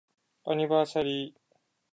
アニバーサリー